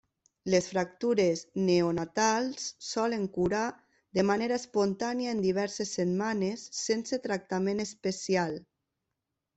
Les fractures neonatals solen curar de manera espontània en diverses setmanes sense tractament especial.